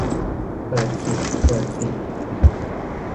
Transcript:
เปิดสิเปิดสิ